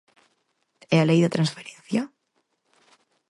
E a lei da transferencia?